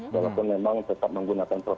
walaupun memang tetap menggunakan protokol